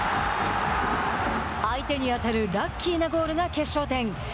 相手に当たるラッキーなゴールが決勝点。